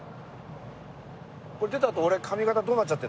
これ出た後俺髪形どうなっちゃってんだろ。